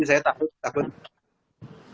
jadi saya takut takut